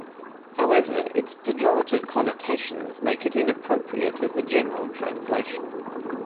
However, its pejorative connotations make it inappropriate as a general translation.